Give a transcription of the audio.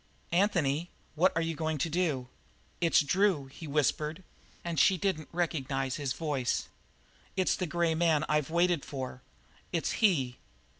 "Anthony, what are you going to do?" "It's Drew!" he whispered, and she did not recognize his voice. "It's the grey man I've waited for. It's he!"